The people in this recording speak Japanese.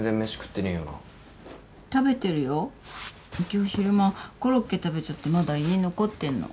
今日昼間コロッケ食べちゃってまだ胃に残ってんの。